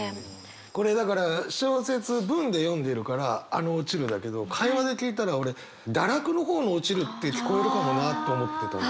これだから小説文で読んでるからあの「落ちる」だけど会話で聞いたら俺「堕落」の方の「堕ちる」って聞こえるかもなって思ってた。